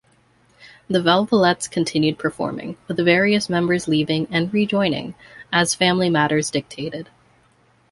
The Velvelettes continued performing, with various members leaving and rejoining, as family matters dictated.